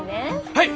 はい！